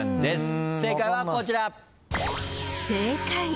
正解はこちら。